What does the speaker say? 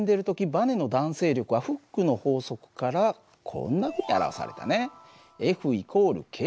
バネの弾性力はフックの法則からこんなふうに表されたね。